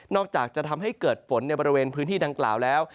อกจากจะทำให้เกิดฝนในบริเวณพื้นที่ดังกล่าวแล้ว